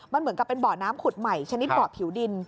มันเหมือนกับเป็นเบาะน้ำขุดใหม่ชนิดเบาะผิวดิน